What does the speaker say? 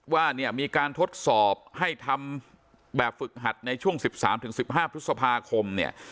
ว่าเนี่ยมีการทดสอบให้ทำแบบฝึกหัดในช่วงสิบสามถึงสิบห้าพฤษภาคมเนี่ย